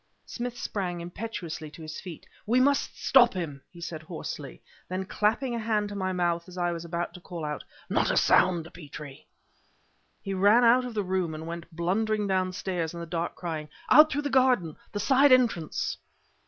Smith sprang impetuously to his feet. "We must stop him!" he said hoarsely; then, clapping a hand to my mouth as I was about to call out "Not a sound, Petrie!" He ran out of the room and went blundering downstairs in the dark, crying: "Out through the garden the side entrance!"